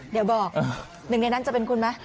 เดี๋ยวบอกหนึ่งในนั้นจะเป็นคุณไหม